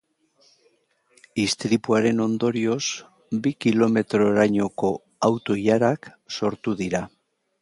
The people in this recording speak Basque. Istripuaren ondorioz, bi kilometrorainoko auto-ilarak sortu dira.